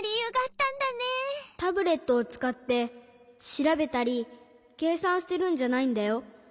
タブレットをつかってしらべたりけいさんしてるんじゃないんだよ。